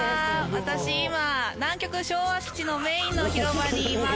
私今南極昭和基地のメインの広場にいます。